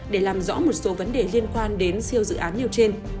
để làm rõ một số vấn đề liên quan đến siêu dự án nêu trên